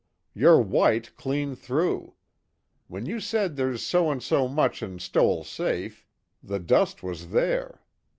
You're white clean through. When you said there's so and so much in Stoell's safe, the dust was there.